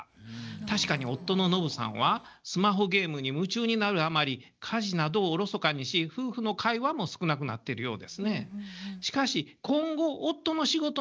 確かに夫のノブさんはスマホゲームに夢中になるあまり家事などをおろそかにし夫婦の会話も少なくなっているようですね。